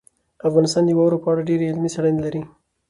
افغانستان د واورو په اړه ډېرې علمي څېړنې لري.